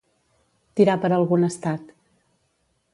Tirar per algun estat.